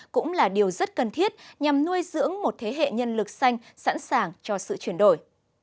cũng là điều rất cần thiết nhằm nuôi dưỡng một thế hệ nhân lực xanh sẵn sàng cho sự chuyển đổi